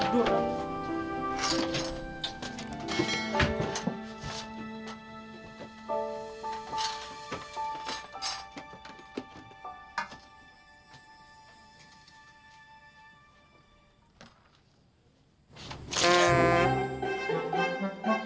masih dulu dong